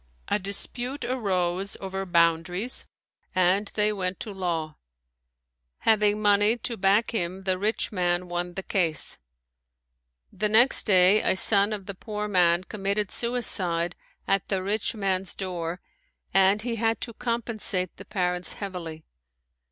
A dispute arose over boundaries and they went to law. Having money to back him the rich man won the case. The next day a son of the poor man committed suicide at the rich man's door and he had to compensate the parents heavily.